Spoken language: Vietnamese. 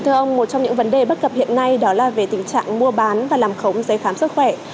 thưa ông một trong những vấn đề bất cập hiện nay đó là về tình trạng mua bán và làm khống giấy khám sức khỏe